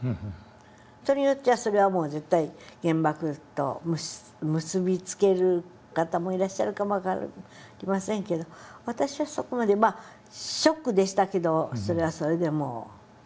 人によっちゃそれはもう絶対原爆と結び付ける方もいらっしゃるかも分かりませんけど私はそこまでまあショックでしたけどそれはそれでもう。